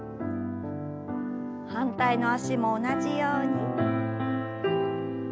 反対の脚も同じように。